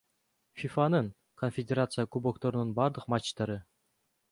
ФИФАнын Конфедерация кубокторунун бардык матчтары